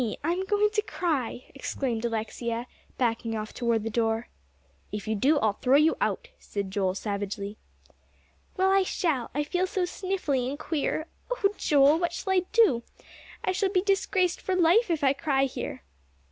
I'm going to cry," exclaimed Alexia, backing off toward the door. "If you do, I'll throw you out," said Joel savagely. "Well, I shall; I feel so sniffly and queer. Oh, Joel, what shall I do? I shall be disgraced for life if I cry here."